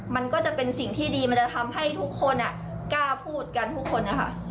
มันก็จะเป็นสิ่งที่ดีมันจะทำให้ทุกคนกล้าพูดกันทุกคนนะคะ